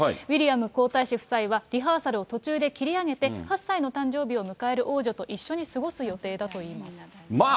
ウィリアム皇太子夫妻はリハーサルを途中で切り上げて、８歳の誕生日を迎える王女と一緒に過ごすまあ